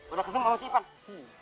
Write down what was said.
udah kesel sama si ipang